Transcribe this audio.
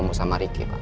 masa pagi sekarang